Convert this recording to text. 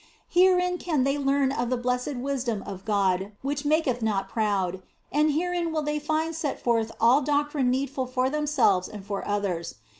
Herein can they learn of the blessed wisdom of God which maketh not proud, and herein will they find set forth all doctrine needful for themselves or for others.